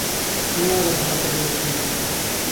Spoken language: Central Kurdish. تهنیا ئهگهر ههڵهکه زۆر توند بوو